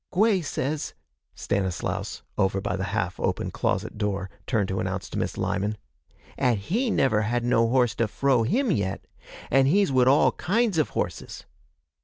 'Gwey says,' Stanislaus, over by the half open closet door, turned to announce to Miss Lyman, ''at he never had no horse to frow him yet an' he's wid all kinds of horses.